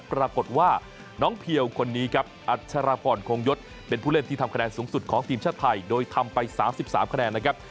ปรากฏว่าน้องเพียวคนนี้ครับอัชรพรคงยศเป็นผู้เล่นที่ทำคะแนนสูงสุดของทีมชาติไทยโดยทำไป๓๓คะแนนนะครับ